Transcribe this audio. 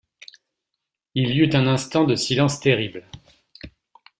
Il y eut un instant de silence terrible.